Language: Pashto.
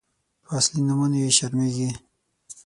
_په اصلي نومونو يې شرمېږي.